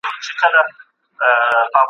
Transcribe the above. هغوی پوهیدل چې سیاست بدلیدونکی دی.